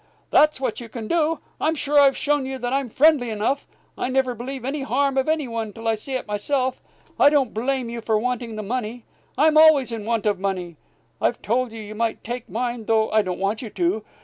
"That's what you can do. I'm sure I've shown you that I'm friendly enough. I never believe any harm of any one till I see it myself. I don't blame you for wanting the money. I'm always in want of money. I've told you you might take mine, though I don't want you to.